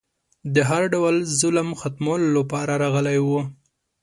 د هر ډول ظلم ختمولو لپاره راغلی و